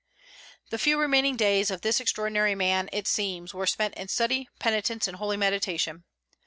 The few remaining days of this extraordinary man, it seems, were spent in study, penitence, and holy meditation.